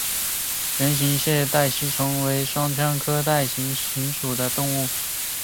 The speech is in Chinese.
圆腺带形吸虫为双腔科带形属的动物。